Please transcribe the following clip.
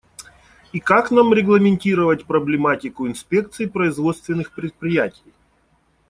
И как нам регламентировать проблематику инспекций производственных предприятий?